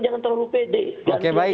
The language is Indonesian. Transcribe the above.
jangan terlalu pede oke baik